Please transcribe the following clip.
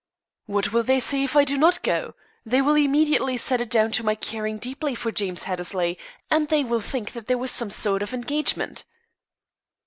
"What will they say if I do not go? They will immediately set it down to my caring deeply for James Hattersley, and they will think that there was some sort of engagement."